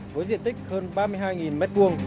với diện tích hơn ba mươi hai m hai